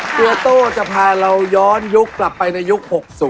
ตัวโต้จะพาเราย้อนยุคกลับไปในยุค๖๐